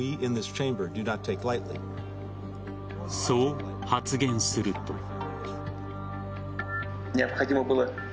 そう発言すると。